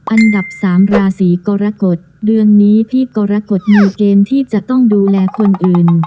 อันดับสามราศีกรกฎเดือนนี้พี่กรกฎมีเกณฑ์ที่จะต้องดูแลคนอื่น